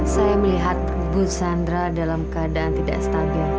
saya melihat bu sandra dalam keadaan tidak stabil